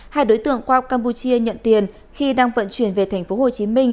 hai đối tượng qua campuchia nhận tiền khi đang vận chuyển về tp hcm